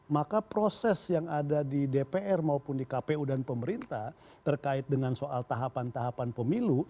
maka proses yang ada di dpr maupun di kpu dan pemerintah terkait dengan soal tahapan tahapan pemilu